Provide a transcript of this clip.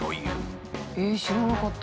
ええ知らなかった。